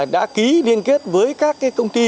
đã ký liên kết với các công ty